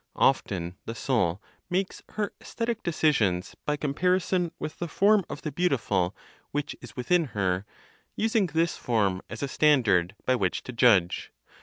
Often the soul makes her (aesthetic) decisions by comparison with the form of the beautiful which is within her, using this form as a standard by which to judge.